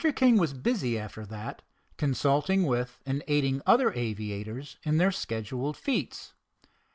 King was busy after that consulting with and aiding other aviators in their scheduled feats.